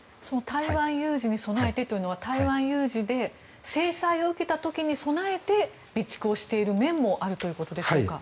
台湾有事に備えてというのは台湾有事で制裁を受けた時に備えて備蓄をしている面もあるということでしょうか。